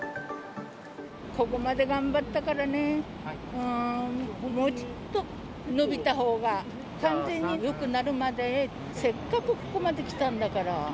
ここまで頑張ったからね、もうちょっと延びたほうが、完全によくなるまで、せっかくここまで来たんだから。